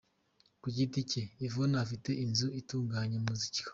Ku giti cye, Yvonne afite inzu itunganya muzika.